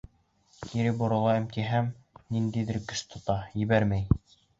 Кире боролайым, тиһәм, ниндәйҙер көс тота, ебәрмәй...